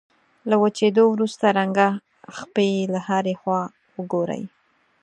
له وچېدو وروسته رنګه خپې له هرې خوا وګورئ.